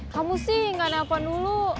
kamu sih gak nepa dulu